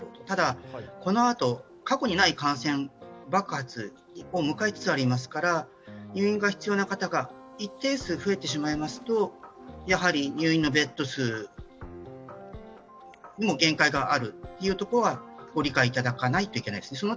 ただ、このあと、過去にない感染爆発を迎えつつありますから入院が必要な方が一定数増えてしまいますとやはり入院のベッド数にも限界があるというところはご理解いただかないといけないですね。